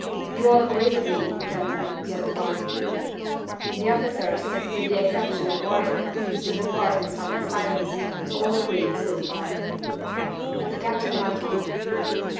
You all agree with me, gentlemen, so far?" The officers (with the exception of Wardour, who stood apart in sullen silence) all agreed, so far. The captain went on.